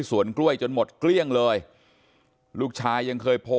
สวัสดีครับ